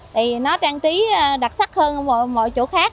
thì nó trang trí đặc sắc hơn mọi chỗ khác